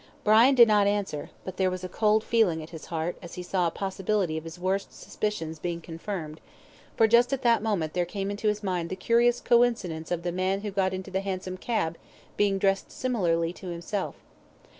Brian did not answer, but there was a cold feeling at his heart as he saw a possibility of his worst suspicions being confirmed, for just at that moment there came into his mind the curious coincidence of the man who got into the hansom cab being dressed similarly to himself.